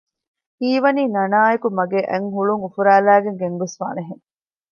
ހީވަނީ ނަނާއެކު މަގޭ އަތް ހުޅުން އުފުރާލައިގެން ގެންގޮސްފާނެ ހެން